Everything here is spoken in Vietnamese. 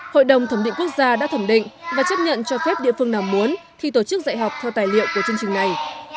hội đồng thẩm định quốc gia đã thẩm định và chấp nhận cho phép địa phương nào muốn thì tổ chức dạy học theo tài liệu của chương trình này